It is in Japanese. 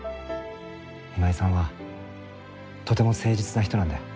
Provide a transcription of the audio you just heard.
今井さんはとても誠実な人なんだよ。